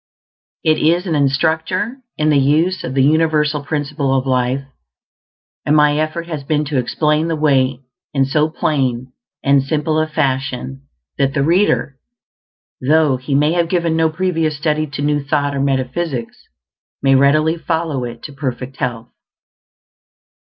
It is an instructor in the use of the universal Principle of Life, and my effort has been to explain the way in so plain and simple a fashion that the reader, though he may have given no previous study to New Thought or metaphysics, may readily follow it to perfect health.